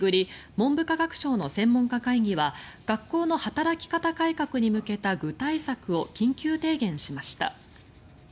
文部科学省の専門家会議は学校の働き方改革に向けた具体策を緊急提言しました。